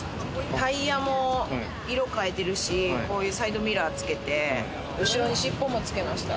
タイヤも色変えてるし、こういうサイドミラーつけて後ろに尻尾もつけました。